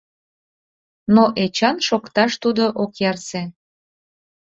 Но Эчан шокташ тудо ок ярсе.